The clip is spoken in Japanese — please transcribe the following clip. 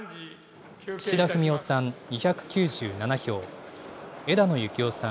岸田文雄さん２９７票、枝野幸男さん